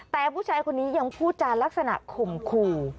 แต่ผู้ชายคนนี้ยังพูดจานลักษณะข่มขู่